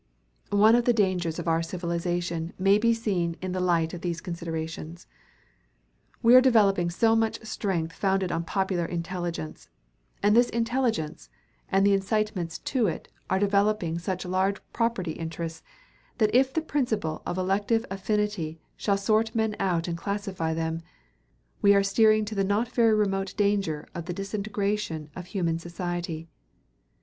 One of the dangers of our civilization may be seen in the light of these considerations. We are developing so much strength founded on popular intelligence, and this intelligence and the incitements to it are developing such large property interests, that if the principle of elective affinity shall sort men out and classify them, we are steering to the not very remote danger of the disintegration of human society.